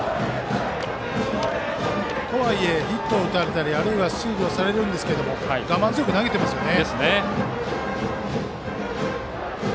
とはいえ、ヒットを打たれたりスチールをされるんですが我慢強く投げていますね。